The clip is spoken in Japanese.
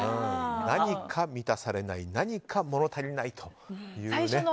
何か満たされない何か物足りないという女性の。